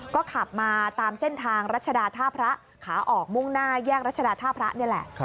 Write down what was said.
ก็ขับมาตามเส้นทางรัชดาท่าพระขาออกมุ่งหน้าแยกรัชดาท่าพระนี่แหละ